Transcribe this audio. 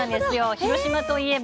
広島といえば。